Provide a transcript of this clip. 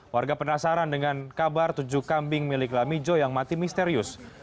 warga penasaran dengan kabar tujuh kambing milik lamijo yang mati misterius